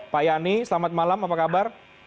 pak yani selamat malam apa kabar